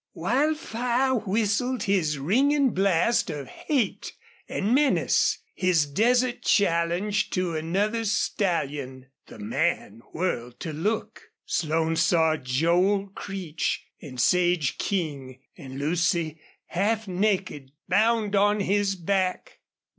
Wildfire whistled his ringing blast of hate and menace, his desert challenge to another stallion. The man whirled to look. Slone saw Joel Creech and Sage King and Lucy, half naked, bound on his back!